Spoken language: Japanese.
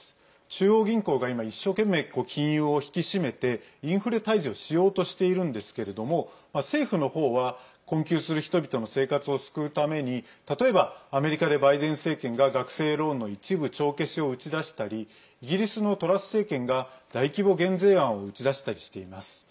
中央銀行が今一生懸命、金融を引き締めてインフレ退治をしようとしているんですけれども政府の方は困窮する人々の生活を救うために例えば、アメリカでバイデン政権が学生ローンの一部帳消しを打ち出したりイギリスのトラス政権が大規模減税案を打ち出したりしています。